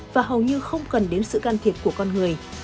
và hầu như không cần đến sự can thiệp của con người